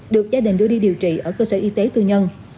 được gia đình đưa đi điều trị ở cơ sở y tế tư nhân